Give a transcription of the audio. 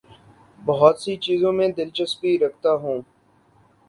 بہت سی چیزوں میں دلچسپی رکھتا ہوں